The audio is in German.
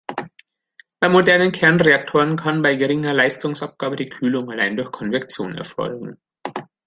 Bei modernen Kernreaktoren kann bei geringer Leistungsabgabe die Kühlung allein durch Konvektion erfolgen.